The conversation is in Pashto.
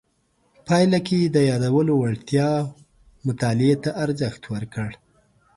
پایله کې یې د یادو وړتیاو مطالعې ته ارزښت ورکړ.